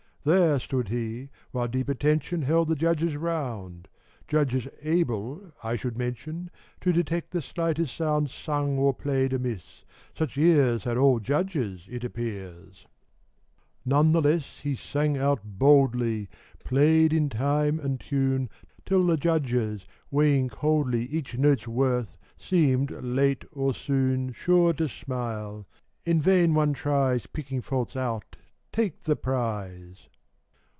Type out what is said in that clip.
There stood he, while deep attention Held the judges round, — Judges able, I should mention, To detect the slightest sound Sung or played amiss : such ears Had old judges, it appears ! A TALE. 71 None the less he sang out boldly, Played in time and tune, Till the judges, weighing coldly Each note's worth, seemed, late or soon, Sure to smile " In vain one tries Picking faults out: take the prize!"